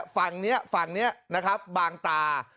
ฝั่งนี้ฝั่งนี้นะครับบางตา